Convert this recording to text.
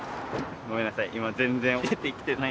ごめんなさい。